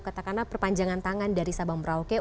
katakanlah perpanjangan tangan dari sabang merauke